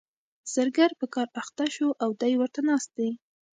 زرګر په کار اخته شو او دی ورته ناست دی.